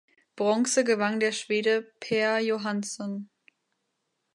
Bronze gewann der Schwede Per Johansson.